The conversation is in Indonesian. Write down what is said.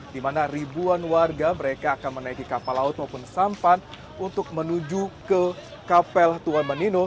di mana ribuan warga mereka akan menaiki kapal laut maupun sampan untuk menuju ke kapel tuhan menino